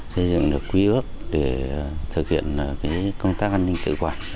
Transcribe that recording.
xây dựng được quý ước để thực hiện công tác an ninh tự quản